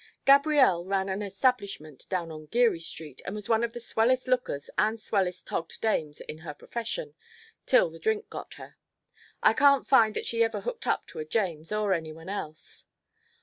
Gabrielle ran an establishment down on Geary Street and was one of the swellest lookers and swellest togged dames in her profession till the drink got her. I can't find that she ever hooked up to a James or any one else.